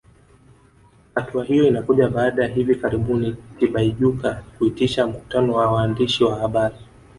Hatua hiyo inakuja baada ya hivi karibuni Tibaijuka kuitisha mkutano na waandishi wa habari